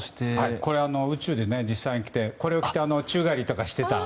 これ、宇宙で実際着てこれを着て宙返りしてた。